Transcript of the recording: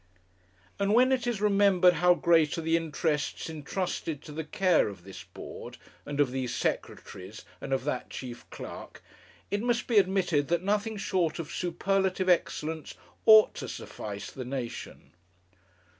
And when it is remembered how great are the interests entrusted to the care of this board, and of these secretaries and of that chief clerk, it must be admitted that nothing short of superlative excellence ought to suffice the nation.